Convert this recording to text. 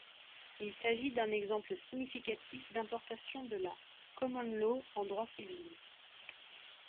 Il s'agit d'un exemple significatif d'importation de la common law en droit civil.